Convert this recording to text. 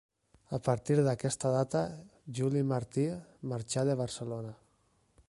A partir d'aquesta data Juli Martí marxà de Barcelona.